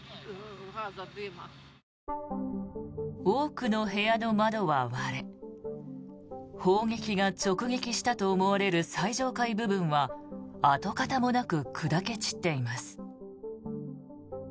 多くの部屋の窓は割れ砲撃が直撃したと思われる最上階部分は跡形もなく砕け散っています。